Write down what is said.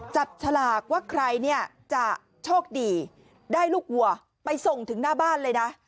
ฉลากว่าใครเนี่ยจะโชคดีได้ลูกวัวไปส่งถึงหน้าบ้านเลยนะ